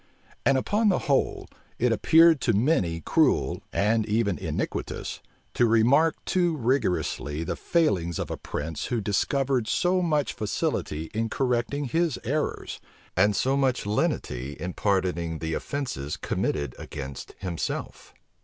And upon the whole, it appeared to many cruel, and even iniquitous, to remark too rigorously the failings of a prince who discovered so much facility in correcting his errors, and so much lenity in pardoning the offences committed against himself.